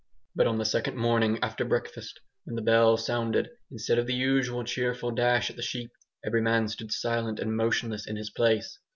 But on the second morning after breakfast, when the bell sounded, instead of the usual cheerful dash at the sheep, every man stood silent and motionless in his place.